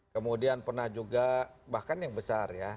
kemudian pernah juga bahkan yang besar ya